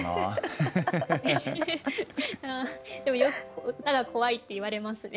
でもよく歌が怖いって言われますね。